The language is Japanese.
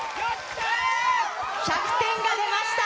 １００点が出ました。